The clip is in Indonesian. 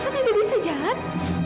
kak tovan anda bisa jalan